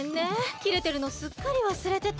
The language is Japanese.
きれてるのすっかりわすれてた。